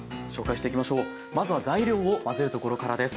まずは材料を混ぜるところからです。